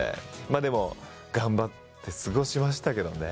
でも頑張って過ごしましたけどね。